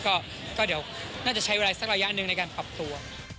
ก็เดี๋ยวน่าจะใช้เวลาสักระยะหนึ่งในการปรับตัว